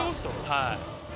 はい。